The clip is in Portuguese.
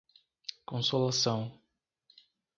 Consolação